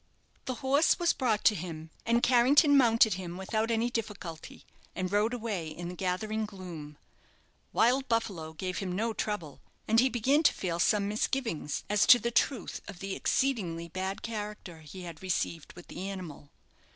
The horse was brought to him, and Carrington mounted him without any difficulty, and rode away in the gathering gloom. "Wild Buffalo" gave him no trouble, and he began to feel some misgivings as to the truth of the exceedingly bad character he had received with the animal.